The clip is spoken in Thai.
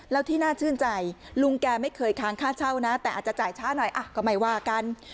แล้วที่น่าชื่นใจลุงแกไม่เคยค้างค่าเช่านะแต่อาจจะจ่ายช้าหน่อยก็ไม่ว่ากัน